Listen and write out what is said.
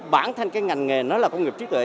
bản thân cái ngành nghề nó là công nghiệp trí tuệ